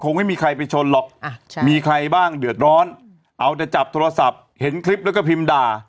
ไม่มีใครไปชนหรอกมีใครบ้างเดือดร้อนเอาแต่จับโทรศัพท์เห็นคลิปแล้วก็พิมพ์ด่า